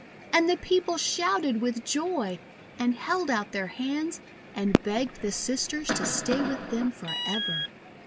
And the people shouted with joy, and held out their hands, and begged the Sisters to stay with them for ever.